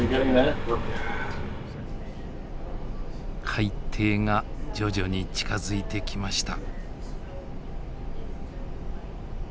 海底が徐々に近づいてきました。